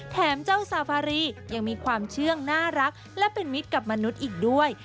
แถมเจ้าซาฟารียังมีความเชื่องน่ารักและกับมนุษย์อีกด้วย